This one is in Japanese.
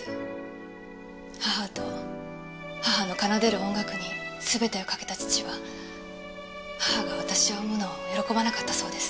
母と母の奏でる音楽に全てをかけた父は母が私を産むのを喜ばなかったそうです。